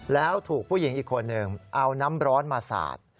แล้วถูกผู้หญิงอีกคนหนึ่งเอาน้ำร้อนมาสาด